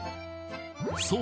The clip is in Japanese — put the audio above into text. そう